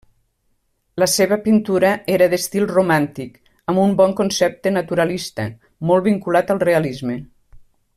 La seva pintura era d'estil romàntic amb un bon concepte naturalista, molt vinculat al realisme.